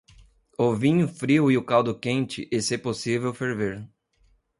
O vinho frio e o caldo quente e, se possível, ferver.